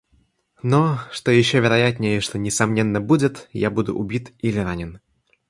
Но, что еще вероятнее и что несомненно будет, — я буду убит или ранен.